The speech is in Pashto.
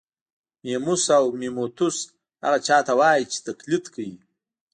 میموس او میموتوس هغه چا ته وايي چې تقلید کوي